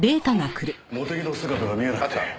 茂手木の姿が見えなくて。